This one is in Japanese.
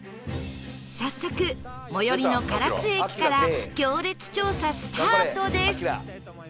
早速最寄りの唐津駅から行列調査スタートです